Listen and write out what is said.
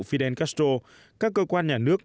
fidel castro các cơ quan nhà nước